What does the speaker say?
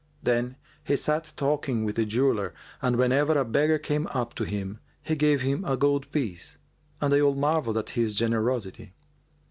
Then he sat talking with the jeweller and whenever a beggar came up to him, he gave him a gold piece and they all marvelled at his generosity.